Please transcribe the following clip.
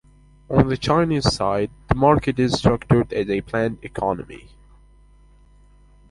On the Chinese side the market is structured as a planned economy.